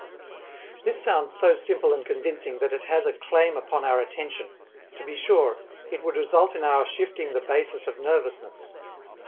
This sounds so simple and convincing that it has a claim upon our attention. To be sure, it would result in our shifting the basis of nervousness.